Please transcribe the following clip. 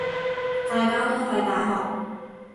大家都係大學